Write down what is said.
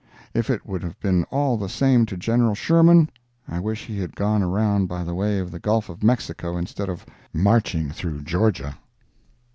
If it would have been all the same to General Sherman, I wish he had gone around by the way of the Gulf of Mexico, instead of matching through Georgia.